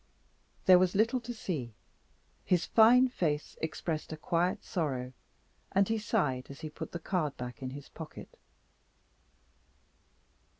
There was little to see. His fine face expressed a quiet sorrow, and he sighed as he put the card back in his pocket.